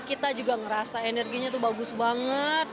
kita juga ngerasa energinya tuh bagus banget